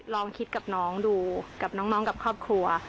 ลองคิดกับน้องกับครอบครัว